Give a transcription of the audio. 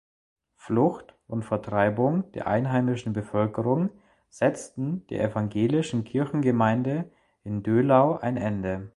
Flucht und Vertreibung der einheimischen Bevölkerung setzten der evangelischen Kirchengemeinde in Döhlau ein Ende.